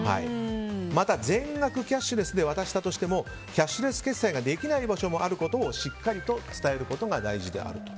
また、全額キャッシュレスで渡したとしてもキャッシュレス決済ができない場所もあることをしっかりと伝えることが大事であると。